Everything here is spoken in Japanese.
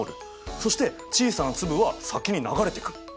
そして小さな粒は先に流れてく。